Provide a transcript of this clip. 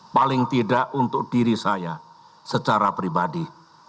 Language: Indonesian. paling tidak untuk diri saya secara pribadi